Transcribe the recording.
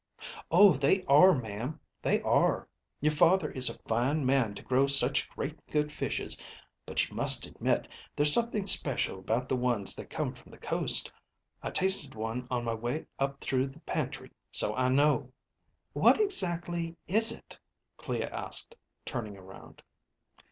"Oh, they are, ma'am. They are. Your father is a fine man to grow such great, good fishes. But you must admit, there's something special about the ones that come from the coast. I tasted one on my way up through the pantry. So I know." "What exactly is it?" Clea asked, turning around.